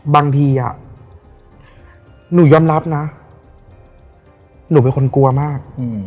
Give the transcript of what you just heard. บางทีหนูยอมรับนะหนูเป็นคนกลัวมาก